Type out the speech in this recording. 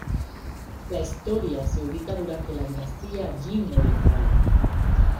La historia se ubica durante la dinastía Jin oriental.